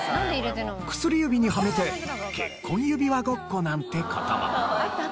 薬指にはめて結婚指輪ごっこなんて事も。